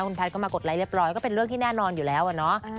คุณแพทย์ก็มากดไลค์เรียบร้อยก็เป็นเรื่องที่แน่นอนอยู่แล้วอะเนาะ